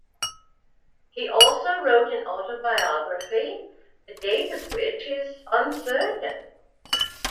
He also wrote an autobiography, the date of which is uncertain.